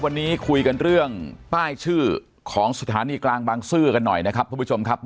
วันนี้คุยกันเรื่องป้ายชื่อของสถานีกรางปังซื่อกันหน่อยนะครับ